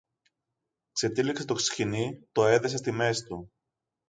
Ξετύλιξε το σκοινί, το έδεσε στη μέση του